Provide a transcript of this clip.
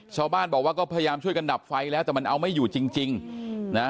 ชาวบ้านบอกว่าก็พยายามช่วยกันดับไฟแล้วแต่มันเอาไม่อยู่จริงจริงนะฮะ